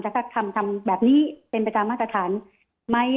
ถ้าทำแบบนี้เป็นไปตามมาตรฐานไหม